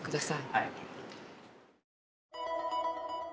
はい。